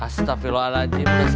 astagfirullahaladzim udah selesai